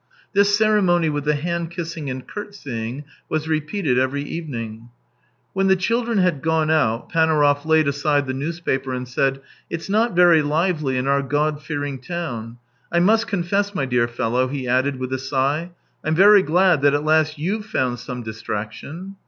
This cere mony with the hand kissing and curtsying was repeated every evening. When the children had gone out Panaurov laid aside the newspaper and said: " It's not very lively in our God fearing town ! I must confess, my dear fellow," he added with a sigh, " Lm very glad that at last you've found some distraction."